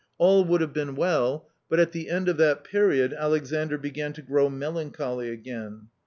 All would have been well, but at the end of that period Alexandr began to grow melancholy again.